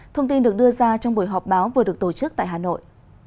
thông tin được đưa ra trong buổi họp báo vừa được tổ chức tại hà nội